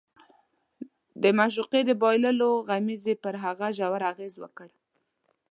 د معشوقې د بایللو غمېزې پر هغه ژور اغېز وکړ